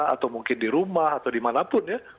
atau mungkin di rumah atau dimanapun ya